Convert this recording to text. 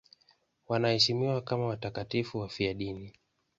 Wanaheshimiwa kama watakatifu wafiadini.